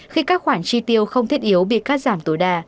khi các khoản chi tiêu không thiết yếu bị cắt giảm tối đa